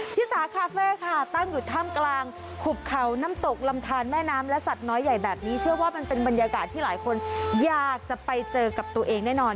ชิสาคาเฟ่ค่ะตั้งอยู่ถ้ำกลางขุบเขาน้ำตกลำทานแม่น้ำและสัตว์น้อยใหญ่แบบนี้เชื่อว่ามันเป็นบรรยากาศที่หลายคนอยากจะไปเจอกับตัวเองแน่นอน